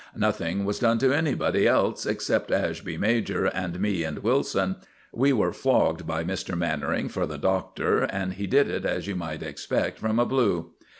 Nothing was done to anybody else except Ashby major and me and Wilson. We were flogged by Mr. Mannering for the Doctor; and he did it as you might expect from a "Blue."